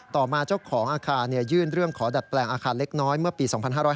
ต่อมาเจ้าของอาคารยื่นเรื่องขอดัดแปลงอาคารเล็กน้อยเมื่อปี๒๕๕๙